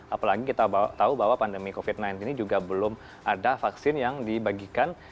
apalagi kita tahu bahwa pandemi covid sembilan belas ini juga belum ada vaksin yang dibagikan